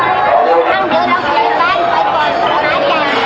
ทุกคนกลับมาเมื่อเวลาอาทิตย์สุดท้าย